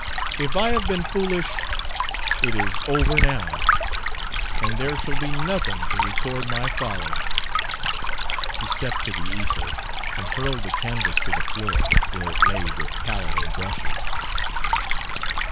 If I have been foolish it is over now, and there shall be nothing to record my folly." She stepped to the easel and hurled the canvas to the floor, where it lay with palette and brushes.